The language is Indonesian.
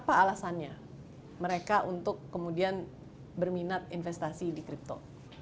apa alasannya mereka untuk kemudian berminat investasi di crypto